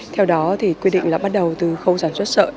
theo đó thì quy định là bắt đầu từ khâu sản xuất sợi